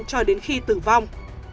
cho đến khi tử vong